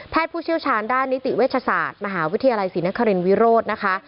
ผู้เชี่ยวชาญด้านนิติเวชศาสตร์มหาวิทยาลัยศรีนครินวิโรธนะคะ